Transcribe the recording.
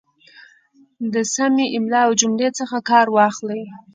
د سمې املا او جملې څخه کار واخلئ